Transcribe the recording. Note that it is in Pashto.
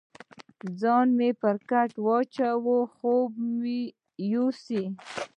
ځان مې پر کټ واچاوه، چې خوب مې یوسي.